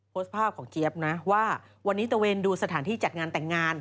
โพสต์ภาพของเจี๊ยบนะว่าวันนี้ตะเวนดูสถานที่จัดงานแต่งงาน